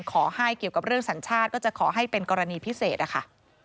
ขอให้เกี่ยวกับเรื่องสัญชาติก็จะขอให้เป็นกรณีพิเศษนะคะ